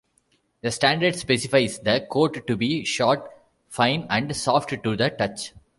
The standard specifies the coat to be 'short, fine, and soft to the touch'.